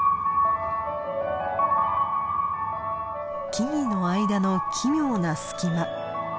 木々の間の奇妙な隙間。